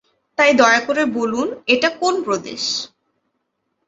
তাই দয়া করে বলুন এটা কোন প্রদেশ।